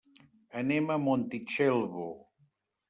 Anem a Montitxelvo.